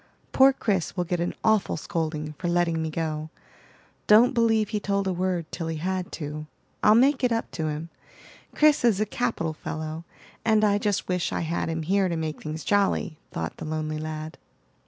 Poor Chris will get an awful scolding for letting me go. Don't believe he told a word till he had to. I'll make it up to him. Chris is a capital fellow, and I just wish I had him here to make things jolly," thought the lonely lad.